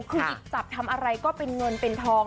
คือหยิบจับทำอะไรก็เป็นเงินเป็นทอง